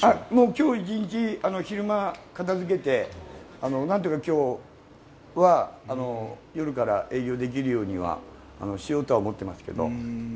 今日一日、昼間片付けて、何とか今日は夜から営業できるようにはしようとは思ってますけど。